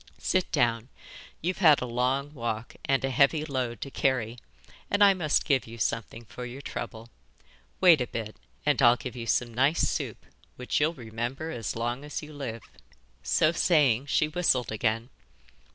'Sit down, you've had a long walk and a heavy load to carry, and I must give you something for your trouble. Wait a bit, and I'll give you some nice soup, which you'll remember as long as you live.' So saying, she whistled again.